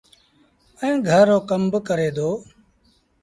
ائيٚݩ گھر رو با ڪم ڪري دو۔